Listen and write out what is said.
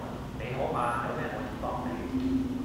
你好嗎有咩可以幫你